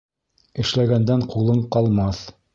Эшләгәндән ҡулың ҡалмаҫ.